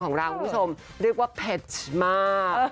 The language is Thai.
ของราวก่อนคุณผู้ชมเรียกว่าเผ็ดมาก